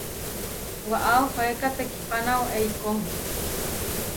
Waʼá ohóeka tekihpána eikó.